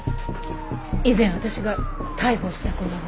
以前私が逮捕した子なの。